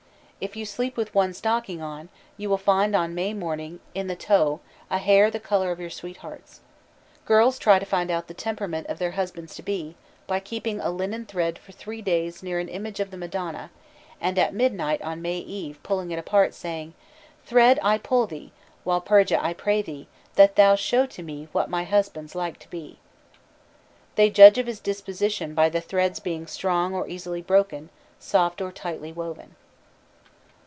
If you sleep with one stocking on, you will find on May morning in the toe a hair the color of your sweetheart's. Girls try to find out the temperament of their husbands to be by keeping a linen thread for three days near an image of the Madonna, and at midnight on May Eve pulling it apart, saying: "Thread, I pull thee; Walpurga, I pray thee, That thou show to me What my husband's like to be." They judge of his disposition by the thread's being strong or easily broken, soft or tightly woven.